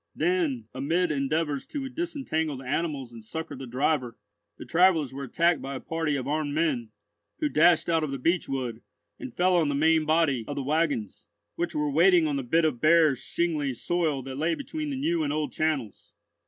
Then, amid endeavours to disentangle the animals and succour the driver, the travellers were attacked by a party of armed men, who dashed out of the beechwood, and fell on the main body of the waggons, which were waiting on the bit of bare shingly soil that lay between the new and old channels.